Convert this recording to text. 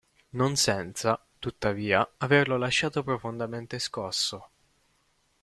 Non senza, tuttavia, averlo lasciato profondamente scosso.